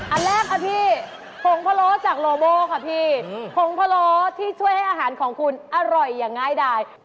อันแรกค่ะพี่ผงพะโล้จากโลโมค่ะพี่ผงพะโล้ที่ช่วยให้อาหารของคุณอร่อยอย่างง่ายดาย